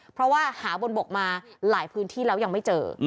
เพราะว่าหาบนบกมาหลายพื้นที่แล้วยังไม่เจอ